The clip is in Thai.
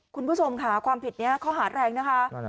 คุณผู้ชมค่ะความผิดนี้ข้อหาแรงนะคะ